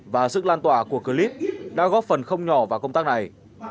và sức lan tỏa của clip đã góp phần không nhỏ vào công tác này